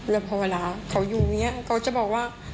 แล้วพอเวลาเขาอยู่เนี่ยก็จะบอกว่า